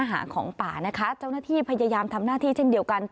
หาของป่านะคะเจ้าหน้าที่พยายามทำหน้าที่เช่นเดียวกัน